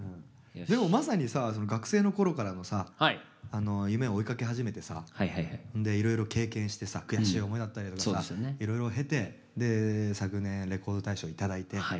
でもまさにさその学生の頃からのさ夢を追いかけ始めてさでいろいろ経験してさ悔しい思いだったりとかさいろいろ経て昨年レコード大賞頂いてとか。